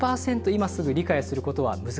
今すぐ理解することは難しい」と。